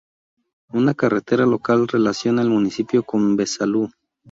Una carretera local relaciona el municipio con Besalú.